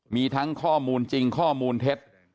มีทั้งข้อมูลจริงข้อมูลเท็จ